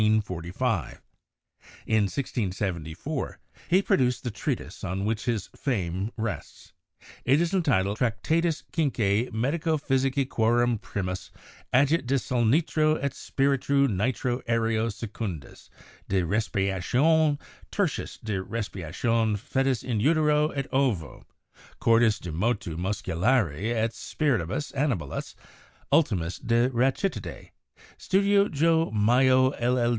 I n I &74 he produced the treatise on which his fame rests; it is entitled Tractatus quinque medico physici quorum primus agit de salnitro et spiritu nitro aereo, secundus, de respiratione, tertius de respira tione foetus in utero et ovo, quartus de motu musculari et spiritibus animalibus, ultimus de rhachitide; studio Joh. Mayow, LL.